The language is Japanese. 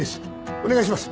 お願いします。